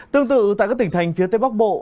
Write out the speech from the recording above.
tương tự tại các tỉnh thành phía tây bắc bộ